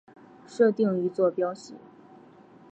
设定一坐标系。